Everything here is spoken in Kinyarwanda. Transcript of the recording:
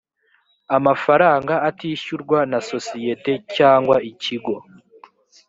amafaranga atishyurwa na sosiyete cyangwa ikigo